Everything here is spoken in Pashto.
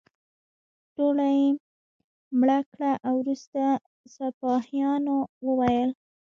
ټوله یې مړه کړه او وروسته سپاهیانو وویل.